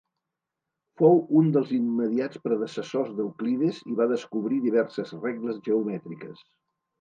Fou un dels immediats predecessors d'Euclides i va descobrir diverses regles geomètriques.